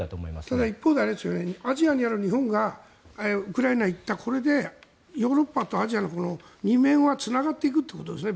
ただ、一方でアジアにある日本がウクライナに行ったこれでヨーロッパとアジアの二面はつながっていくということですね？